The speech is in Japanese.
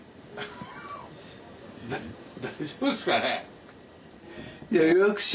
大丈夫ですかねえ？